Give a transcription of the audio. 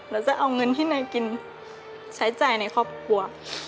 เราจะเอาเงินให้นายกินใช้ใจในครอบครัว